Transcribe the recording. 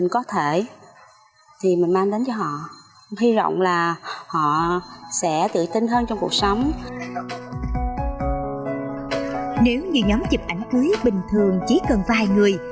nếu như nhóm chụp ảnh cưới bình thường chỉ cần vài người